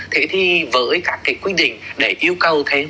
thế thì với các cái quy định để yêu cầu thêm